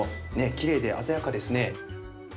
きれいで鮮やかですね。